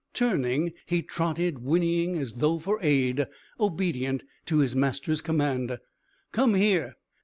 Turning, he trotted whinnying as though for aid, obedient to his master's command, "Come here!"